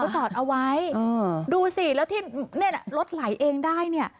ก็จอดเอาไว้อืมดูสิแล้วที่นี่น่ะรถไหลเองได้เนี้ย